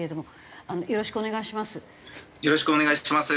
よろしくお願いします。